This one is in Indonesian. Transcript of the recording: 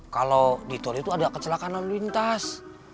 kalau di tol itu ada kecelakaan lalu lintas